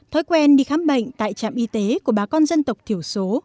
thói quen đi khám bệnh tại trạm y tế của bà con dân tộc thiểu số